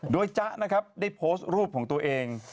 โดยจ๊ะนะครับได้โพสต์รูปของตัวเอง